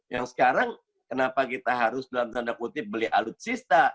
yang sekarang kenapa kita harus dalam tanda kutip beli alutsista